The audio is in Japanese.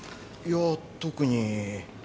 いや特に。